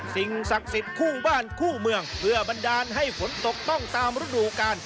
สิ่งศักดิ์สิทธิ์คู่บ้านคู่เมืองเพื่อบันดาลให้ฝนตกต้องตามฤดูกาล